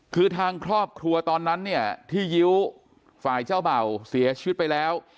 คือทางครอบครัวตอนนั้นเนี่ยที่ยิ้วฝ่ายเจ้าเบ่าเสียชีวิตไปแล้ว